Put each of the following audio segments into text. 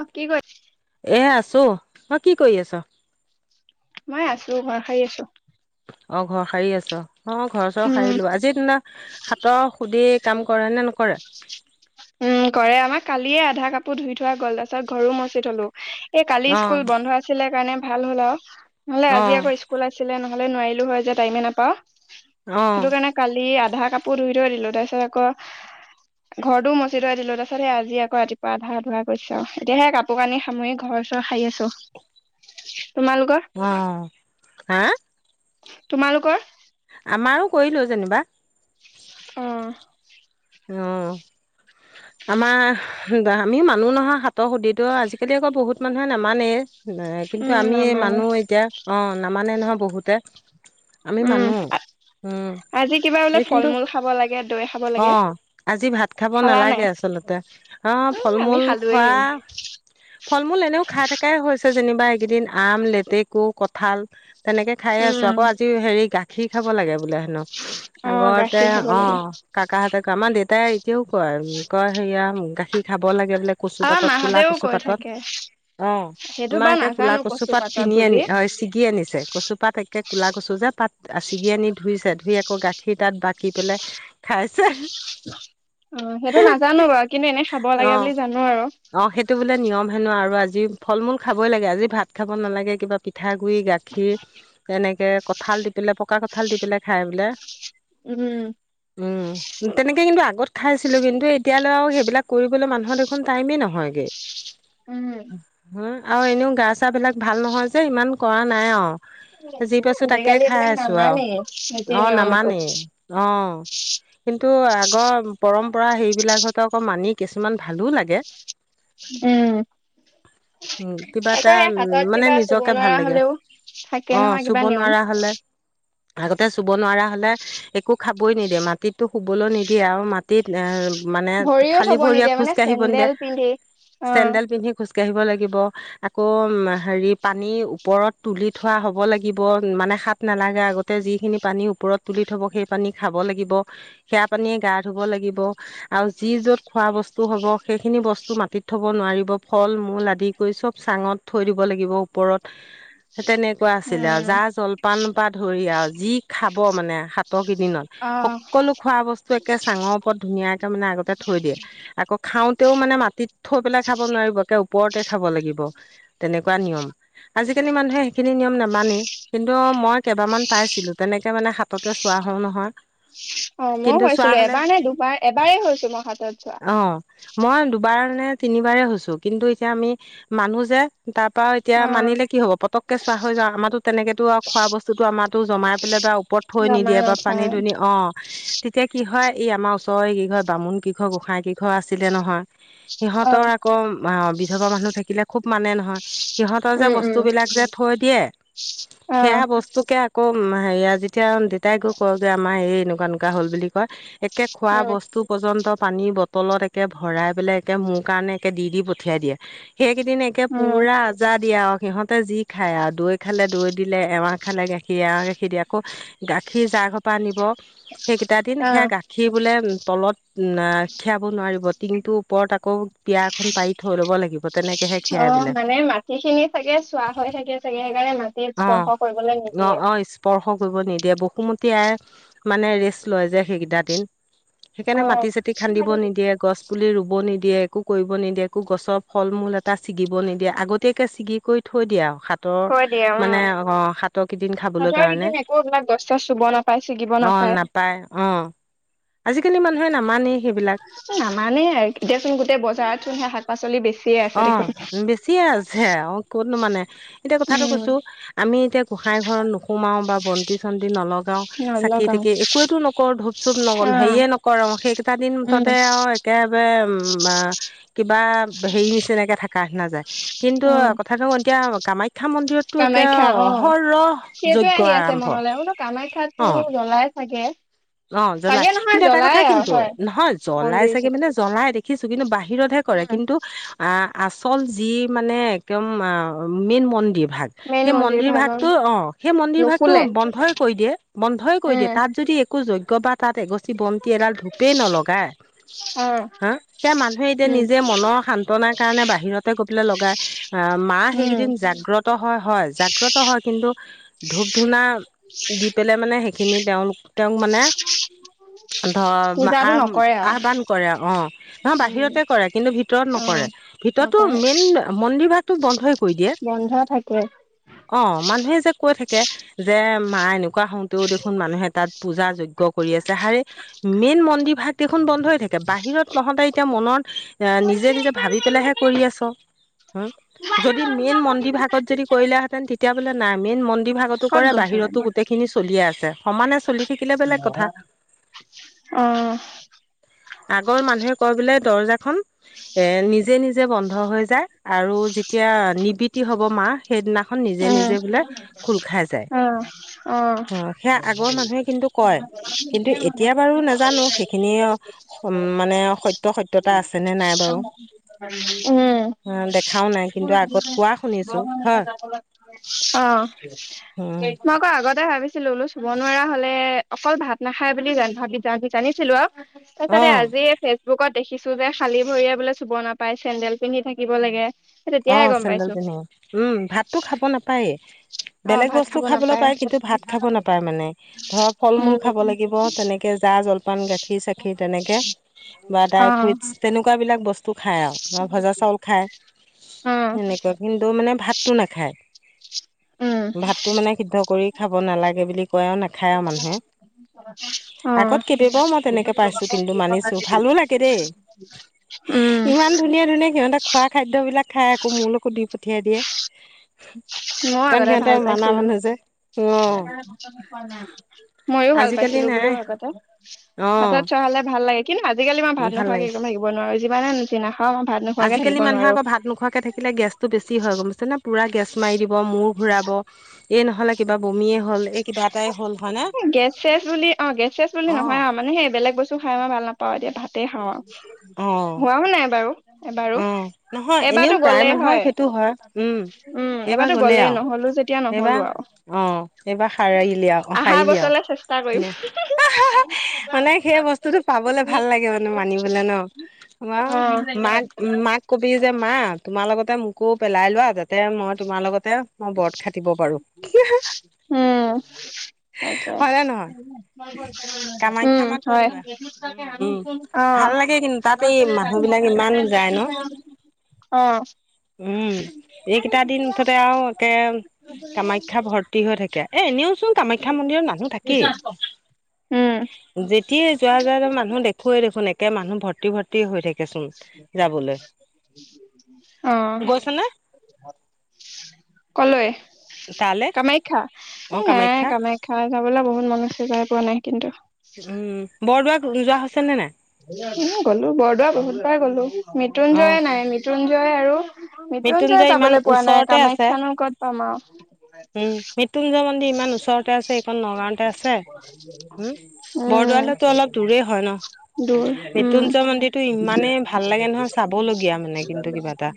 অ কি কৰি এ আছোঁ তই কি কৰি আছ? মই আছো ঘৰ শাৰী আছো। অ ঘৰ সাৰি আছ, অ ঘৰৰ চৰ উম সাৰিলো আজিৰ দিনা হাতৰ সুধি [unintelligible] কাম কৰে নে নকৰে? উম কৰে আমাৰ কালিয়ে আধা কাপো ধুই থোৱা গ'ল তাৰ পাছত ঘৰো মচি থলো। [unintelligible] এই কালি অ স্কুল বন্ধ আছিলে কাৰণে ভাল হ'ল আও নহলে অ আজি আকৌ স্কুল আছিলে নহয়। [unintelligible] নহলে নোৱাৰিলো হয় যে, টাইমে নাপাও অ সেইটো কাৰণে কালি আধা কাপোৰ ধুই থৈ দিলো তাৰপিছত আকৌ ঘৰ টো [unintelligible] মুচি থৈ দিলো, তাৰাছতেই আজি আকৌ ৰাতিপুৱা আ ধুৱা কৰিছোঁ আও এতিয়া সে কাপোৰ কানি সামুৰি ঘৰ চৰ সাৰি আছো। [unintelligible] তোমালোকৰ অ হা তোমালোকৰ আমাৰো কৰিলোঁ যেনিবা। অ আহ আমাৰ আমি মানুহ নহয় হাতৰ সুধিতো আজিকালি আকৌ বহুত মানুহে নামানেই [unintelligible] ন কিন্তু উম আমি নামানো মানুহ এতিয়া, অ নামানে নহয় বহুতে। আমি উম মানোহ, উম আজি কিবা বোলে এই ফল কিন্তু মূল [unintelligible] খাব লাগে দৈ খাব অ লাগে আজি ভাত খাব খালা নাই নালাগে আচলতে আহ ফল আমি মূল খোৱা খালোয়েই [inaudible] ফল মূল এনেও খাই থকাই হৈছে যেনিবা এইকেইদিন আম লেতেকু কঁঠাল তেনেকে খাইে আছো উম আকৌ আজি হেৰি গা গাখি খাব লাগে বোলে হেনো অ আগতে গাখীৰ খাব অ লাগে কাহঁতে কয় আমাৰ দেউতাই এতিয়াও কয় কয় সেয়া গাখীৰ খাব লাগে [unintelligible] বোলে কচু আমাৰ পাতত কলা মাহঁতেও কচু কৈ পাতত থাকে অ সেইটো আমাৰ বাৰু একে কলা নাজানো কচু কচুপাত পাতত কিনি বুলি আনি হয় ছিগি আনিছে কচুপাত একে [unintelligible] কোলা কছু যে পাত ছিগি আনি ধুইছে ধুই আকৌ গাখীৰ তাত বাকি পেলাই খাইছে অ সেইটো নাজানো বাৰু কিন্তু এনে খাব অ লাগে বুলি জানো আৰু অ সেইটো বোলে নিয়ম হেনো আৰু আজি ফল মূল খাব‌ই লাগে আজি ভাত খাব নালাগে কিবা পিঠা গাখীৰ এনে কঁঠাল দি পেলাই পকা কঠাল দি পেলাই খাই বোলে। উম উম তেনেকৈ কিন্তু আগত খাইছিলোঁ কিন্তু এতিয়ালৈ আৰু সেইবিলাক কৰিবলৈ মানুহৰ দেখোন টাইমেই নহয়গৈ উম হা আৰু এনেও গা চাবিলাক ভাল নহয় যে ইমান কৰা নাই আও। যি পাইছো তাকে আজিকালি খাই এইবিলাক আছো আও নামানেই নীতি অ নিয়ম একো নামানেই অ। কিন্তু আগৰ পৰম্পৰা সেইবিলাক হত মানি কিছুমান ভালো লাগে। উম উম কিবা আকৌ এটা সেই উ হাতত মানে কিবা চুব নিজকে ভাল নোৱাৰা লাগে। হলেও থাকে অ নহয় কিবা চুব নিয়ম নোৱাৰা হ'লে। আগতে চুব নোৱাৰা হলে একো খাবই নিদিয়ে মাটিতো শুবলৈ নিদিয়ে আও মাটিত এ মানে ভৰিও খালী থব ভৰিয়ে নিদিয়ে মানে খোজকাাঢ়িব চেন্দেল নিদিয়ে পিন্ধি অ। চেণ্ডেল পিন্ধি খোজকাাঢ়িব লাগিব। আকৌ হেৰি পানী ওপৰত তুলি থোৱা হব লাগিব মানে শাত নালাগা আগতে যিখিনি পানী ওপৰত তুলি থব সেই পানী খাব লাগ- সে পান গা ধুব লাগিব আৰু যি যত খোৱা বস্তু হব সেইখিনি বস্তু মা- মাটিত থব নোৱাৰিব ফল মূল আদি কৰি চব চাঙত থৈ দিব লাগিব ওপৰত তেনেকুৱা আছিলে আৰু উম যা জলপান পৰা ধৰি আৰু যি খাব মানে হাত ত কিইদিনত অ সকলো খোৱা বস্তু একে চাঙৰ ওপৰত ধুনীয়াকে মানে আগতে থৈ দিয়ে আকৌ খাওঁতেও মানে মাটিত থৈ পেলাই খাব নোৱাৰিব একে ওপৰতে খাব লাগিব তেনেকুৱা নিয়ম আজিকালি মানুহে সেইখিনি নি- নিয়ম নামানি কিন্তু মই কেইবামান পাইছিলো তেনেকে মানে হাততে চোৱা হওঁ নহয়। অ মই কিন্তু চোৱা হৈছিলো হ'লে এবাৰ নে দুবাৰ এবাৰেই হৈছো মই হাতত যোৱা অ' মই দুবাৰ নে তিনিবাৰে হৈছো কিন্তু এতিয়া আমি মানুহ যে তাৰ পৰা এতিয়া অ মানিলে কি হ'ব পতক চোৱা হৈ যাওঁ আমাৰো তেনেকেতো আৰু খোৱা বস্তুতো আমাৰো জমাই পেলাই বা ওপৰত থৈ জমা নিদিয়ে বা নথয় পানী দুনি অ তেতিয়া কি হয় এই আমাৰ ওচৰৰে কি ঘৰ বামুণ কি ঘৰ গোঁসাই কি ঘৰ আছিলে নহয় অ সিহঁতৰ আকৌ অ বিধৱা মানুহ থাকিলে খুব মানে নহয়। সিহঁতৰ যে উম উম বস্তুবিলাক যে থৈ দিয়ে অ সেয়া বস্তুকে আকৌ উ হেয়া যেতিয়া দেউতাই কয় গৈ আমাৰ এই এনেকুৱা নুকা হল বুলি কয়। একে খোৱা উম বস্তু পৰ্যন্ত পানীৰ বটলত একে ভৰাই পেলাই একে মোৰ কাৰণে একে দি দি পঠিয়াই দিয়ে। সেইকেইদিন একে উম পুৰা আজা দিয়া আও সিহঁত তাতে যি খায় আৰু দৈ খালে দৈ দিলে এৱা খালে গাখীৰ এৱা গাখীৰ দিয়ে আকৌ গাখীৰ জা ঘৰ পা পা নিব সেইকেইটা দিন অ সেয়া গাখীৰ বোলে তলত খীৰাব নোৱাৰিব টিঙটোৰ ওপৰত আকৌ মোক পিয়া এখন পাৰি থৈ লব লাগিব তেনেকেহে অ খীৰাই বোলে। মানে মাটি খিনি চাগে চোৱা হৈ থাকে চাগে সেইকাৰণে মাটি অ স্পৰ্শ কৰিবলৈ অ নিদিয়ে অ স্পৰ্শ কৰিব নিদিয়ে। বসুমতী আই মানে ৰেষ্ট লয় যে সেইকেইটা দিন। অ সেইকাৰণে মাটি চাতি খান্দিব নিদিয়ে, গছ পুলি ৰুব নিদিয়ে, একো কৰিব নিদিয়ে, একো গছৰ ফল মূল এটা ছিগিব নিদিয়ে আগতীয়াকে ছিগি কৰি থৈ থৈ দিয়া আও হাতৰ থৈ দিয়ে মানে উম অ হাতৰকেইদিন খাবলৈ হাতৰ কাৰণে, কেইদিন একো এইবিলাক গছ চছ চুব নাপায় ছিগিব অ নাপায়। অ আজিকালি মানুহে নামানেই। সেইবিলাক নামানে এতিয়াচোন গোটেই বজাৰত চোন সে শাক পাচলি বেছ- অ বেছিয়ে আছে অ কতনো মানে এতিয়া কথাটো উম কৈছো আমি এতিয়া গুহ- গুখাই ঘৰত নোসোমাওঁ বা বন্তি চন্তি নলওঁ। চাকি নলগাও থাকি একোৱো এ টো নকৰো ধূপ চপ ন অ হেৰিয়ে নকৰোঁ আৰু সেইকেইটা দিন উম মুঠতে আও। হে বে বা কিবা হেৰি নিচিনাকে থাকা নিচিনা যায় কিন্তু উম কথাটো এতিয়া কামাখ্যা মন্দিৰতটো এতিয়া কামাখ্যা অ হ ৰ সেইটোৱে যজ্ঞ আহি আছে আৰম্ভ মনলৈ বোলো কামাখ্যাতো অ জ্বলাই চাগে অ জ্বলাই চাগে নহয় কিন্তু এটা জ্বলাই কথা আৰু কিন্তু, হয় নহয় জ্বলাই মন্দিৰ চাগে যেতিয়া মানে জ্বলাই দেখিছ- কিন্তু বাহিৰতহে কৰে উম কিন্তু আ আচল যি মানে একদম মেইন মন্দিৰ ভাগ। মেইন সেই মন্দিৰ ভাগৰ ভাগতটো অ সেই মন্দিৰ ভাগতটো নুখুলে বন্ধই কৰি দিয়ে বন্ধই কৰি উম দিয়ে তাত যদি যোগ্য বা তাত এগছি বন্তি এডাল ধূপেই নলগায় অ হা সেয়া মানুহে এতিয়া উম নিজে মনৰ সান্তনাৰ কাৰণে বাহিৰতে গৈ পেলাই লগায়। মা উম সেইকেইদিন জাগ্ৰত হয় হয় জাগ্ৰত হয় কিন্তু ধূপ ধূনা দি পেলাই মানে সেইখিনি তেওঁল তেওঁক মানে ধৰ পূজাটো নকৰে আৰু আহ্বান কৰে, অ নহয় উম বাহিৰতে কৰে কিন্তু ভিতৰত অ নকৰে কৰে ভিতৰত টো নকৰে মেইন মন্দিৰ ভাক টো বন্ধ‌ই কৰি দিয়ে, বন্ধ থাকে অ মানুহ হে যে কৈ থাকে যে মা এনেকুৱা হওঁতেও দেখোন মানুহে তাত পূজা যোগ্য কৰি আছে। জাহাৰে মেইন মন্দিৰ ভাগ দেখোন বন্ধ হৈ থাকে বাহিৰত নহতে এতিয়া মনত এ নিজে নিজে ভাবি পেলেহে কৰি আচ, হু যদি মেইন মন্দিৰ ভাগ অত যদি কৰিলে হেতেন তেতিয়া এতিয়া বোলে নাই মেইন মন্দিৰ ভাগতো ক'ত কৰে, বাহিৰতো গৈছিলানো গোটেইখিনি চলিয়ে আছে। সমানে চলি থাকিলে বেলেগ কথা অহ আগৰ মানুহে কয় বোলে দৰ্জা খন এ নিজে নিজে বন্ধ হৈ যায়। আৰু যেতিয়া নিবিতি হ'ব মা সেইদিনাখন নিজে উম নিজে বোলে খোল খাই যায়, অ অ সেয়া আগৰ মানুহে কিন্তু কয় কিন্তু এতিয়া বাৰু নাজানো সেইখিনি অ মানে সত্য সত্যতা আছে নে নাই বাৰু উম দেখাও নাই কিন্তু আগত কোৱা শুনিছো হয়। অ উম, মই ক আগতে ভাবিছিলো বোলো চুব নোৱাৰা হলে অকল ভাত নাখায় বুলি ভাবি জানিছিলো আৰু। তাৰপাছত অ তে আজি ফেচবুকত দেখিছো যে খালী ভৰিয়ে বোলে চুব নাপায় চেন্ডেল পিন্ধি থাকিব লাগে। অ তেতিয়াহে গম চেন্দেল পাইছো পিন্ধি উম ভাতো খাব নাপায়েই। অ বেলেগ ভাত বস্তু খাব খাবলৈ নাপায় পায় কিন্তু ভাত খাব নাপায় মানে। ধৰ ফল মূল উম খাব লাগিব তেনেকে যাৰ মন গাখীৰ চাখীৰ তেনেকে, বা অ ড্ৰাই ফ্ৰুইট তেনেকুৱা বিলাক বস্তু খাই আৰু মই ভজা চাউল খায় উম সেনেকুৱা কিন্তু মানে ভাতটো নাখায়। উম ভাতটো মানে সিদ্ধ কৰি খাব নালাগে বুলি কয় আৰু নাখায় আৰু মানুহে। অ আগত কেইবাবাৰও মই তেনেকে পাইছো কিন্তু মানিছো ভালো লাগে দেই। উম ইমান ধুনীয়া ধুনীয়া সিহঁতে খোৱা খাদ্যবিলাক খাই আকৌ মোলৈকো দি পঠিয়াই দিয়ে। [unintelligible] মই আগতে সিহঁতে ভাল মানা পাইছিলো। মানুহ যে অ মইও ভাল আজিকালি পাইছিলো। বুলো নাই আগতে। অ হাতত চোৱ হালে ভাল লাগে, কিন্তু আজিকালি মই ভাত ভাল নোখোৱাকে লাগে একো থাকিব নোৱাৰো যিমানে যি নাখাওঁ ভাত নোখোৱাকে আজিকালি থাকিব নোৱাৰ। মানুহে আকৌ ভাত নোখোৱাকে থাকিলে গেছতটো বেছি হয় বোলো, পুৰা গেছ মাৰি দিব মূৰ ঘুৰাব। ফালে কিবা বমিয়ে হ'ল, এই কিবা এটাই হ'ল, হয় নে? গেছ ছেছ বুলি অ গেছ ছেছ বুলি নহয় আও, মানে সেই বেলেগ বস্তু খাই মই ভাল নাপা পাওঁ দিয়া ভাতে খাওঁ আৰু অ', হোৱাও নাই বাৰু এবাৰো। অ', নহয় এনেও এবাটো প্ৰায় গ'লে মানুহৰ হয়, সেইটো হয়, উম। উম এইবাৰ এবাটো গ'লেই আৰু নহলে যেতিয়া এইবাৰ নহ'লো আৰু। অ এইবাৰ সাৰালি আৰু অ আহা সাৰিলি বছৰলে চেষ্টা কৰিম আৰু, আহাহা মানে সেই বস্তুতটো পাবলে ভাল লাগে মানে মানিবলে ন, মা অ মাক উ মাক কবি যে মা তোমাৰ লগতে মোকো পেলাই লোৱা মই তোমাৰ লগতে মই ব্ৰত খাাটিব পাৰো। উম তাকে হয়নে নহয়, উম কামাখ্যা মাক কৈ হয় দিবা উম অ ভাল লাগে কি তা এই মানুহ বিলাক ইমান জাই ন, অ উম সেইকেইটা দিন মুঠতে আৰু একে কামাখ্যা ভৰ্তি হৈ থাকে, এ এনেও চোন কামাখ্যা মন্দিৰৰ মানুহ থাকে। বিশচাছ কওক। যেতিয়াই যোৱা যোৱা জন মানুহ দেখুৱেই দেখোন একে মানুহ ভৰ্তি ভৰ্তি হৈ থাকেচোন যাবলৈ, অ গৈছনে? কলৈ? তালে কামাখ্যা, এই নাই কামাখ্যা যাবলৈ বহুত মন আছে, যায় পোৱা নাই। উম বৰদোৱা যোৱা হৈছে নে নাই উম গলো বৰদোৱা বহুত অ মৃত্যুঞ্জয় নাই মৃত্যুঞ্জয় আৰু মৃত্যুঞ্জয় ইমান যাবলৈ পোৱা নাই ওচৰতে আছে কামাখ্যানো ক'ত পাম আও। উম মৃত্যুঞ্জয় মন্দিৰ ইমান ওচৰতে আছে এইখন নগাঁওতে আছে উম উম। বৰদোৱালৈতো অলপ দূৰেই হয় ন দূৰ উম। মৃত্যুঞ্জয় মন্দিৰটো ইমানেই ভাল লাগে নহয়, চাবলগীয়া মানে কিন্তু কিবা এটা।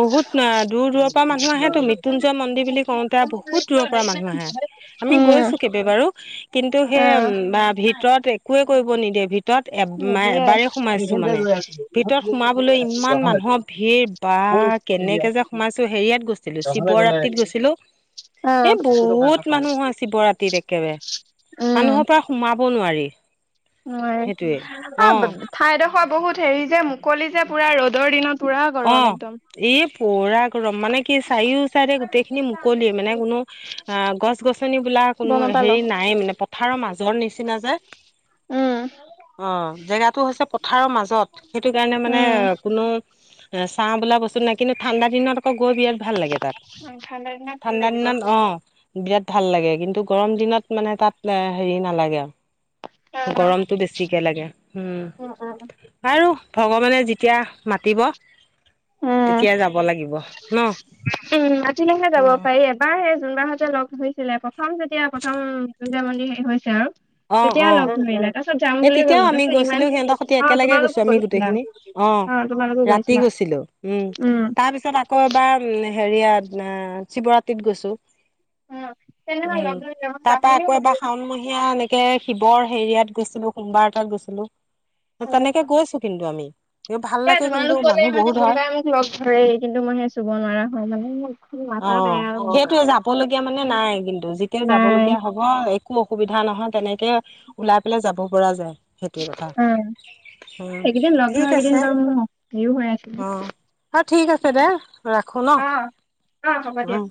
বহুত দূৰ দূৰৰ পৰা মানুহ আহেত তো মৃত্যুঞ্জয় মন্দিৰ বুলি কওঁতে বহুত দূৰৰ পৰা মানুহ আহে। আমি উম গৈছো কেইবাবাৰো কিন্তু সেই ম আহ বা ভিতৰত একোৱে কৰিব নিদিয়ে ভিতৰত এব নিদিয়ে এবাৰে সোমাইছো মানে, ভিতৰত সোমাবলৈ ইমান মানুহৰ ভিৰ বা কেনেকে যে সোমাইছো হেৰিয়াত গৈছিলো শিৱ ৰাতিত গৈছিলো। আহ এ বহুত মানুহ হয় শিৱৰাতিত একেবাৰে মানুহৰ পৰা সোমা ব নোৱাৰি। নোৱাৰে সেইটোৱে অ ঠাইডোখৰ বহুত হেৰি যে মুকলি যে পুৰা ৰ'দৰ দিনত পুৰা অ গৰম একদম এই পোৰা গৰম মানে কি চাৰিও চাৰি গোটেই খিনি মুকলি, মানে কোনো অ গছ গছনি বোলা কোনো বনপাল হেৰি নাই মানে, পথাৰৰ মাজৰ নিচিনা যে। উম অ জেগাটো হৈছে পথাৰৰ মাজত, সেইটো কাৰণে মানে উম কোনো চাঁ বলা বস্তু নাই কিন্তু ঠাণ্ডাত দিনত আকৌ গৈ বিৰাট ভাল লাগে তাত, ঠাণ্ডা দিনত ভাল ঠাণ্ডা লাগিব দিনত অ বিৰাত ভাল লাগে, কিন্তু গৰম দিনত মানে তাত হেৰি নালাগে আৰু গৰমটো বেছি। একেলগে উম, বাৰু ভগৱানে যেতিয়া মাতিব উম তেতিয়াাই যাব লাগিব ন? উম মাতিলেহে যাব পাৰি, এবাৰ হে জোন বা হতে লগ ধৰিছিলে প্ৰথম যেতিয়া প্ৰথম মৃত্যুঞ্জয় মন্দিৰ হেই হৈছে আও। অ অ এই তেতিয়াও ক'লো আমি তাৰপিছত ইমান গৈছিলো, সিহঁতৰ সৈতি অ একেলগে গৈছো তোমালোকো আমি গৈছিলা গোটেইখিনি, অ তোমালোকো ৰাতি গৈছিলা গৈছিলো, উম তাৰ পিছত আকৌ এবাৰ ম হেৰিয়াত শিৱৰাতিত গৈছো। অ তেনেহলে উম লগ ধৰিলে মই তাৰ যাম পৰাা বুলিয়ে আকৌ এবাৰ ক'লো শাওণমহীয়া মেক শিৱৰ হেৰিয়াত গৈছিলো সোমবাৰ এটাত গৈছিলো অ তেনেকে গৈছো কিন্তু আমি ভাল এ লাগে কিন্তু তোমালোক গলে মানুহ মানে বহুত হয় যোনবাই মোক লগ ধৰেই কিন্তু মই সে চুব নোৱাৰা হও মানে ম অ সেইটোৱে যাবলগীয়া মানে নাই কিন্তু যেতিয়া নাই যাবলগীয়া হ'ব একো অসুবিধা নহয় তেনেকে ওলাই পেলাই যাব পৰা যায় সেইটো কথা অ অ এইকেইদিন লগ ঠিক ধৰা কেইদিন আছে বাৰু মোৰ হেৰিও হৈ আছিলে অ অ ঠিক আছে দে ৰাখো ন অঁ হ'ব দিয়া উম।